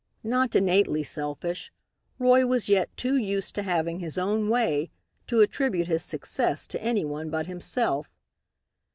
Not innately selfish, Roy was yet too used to having his own way to attribute his success to any one but himself.